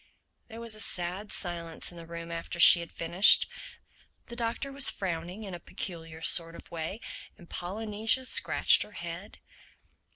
There was a sad silence in the room after she had finished; the Doctor was frowning in a peculiar sort of way and Polynesia scratched her head.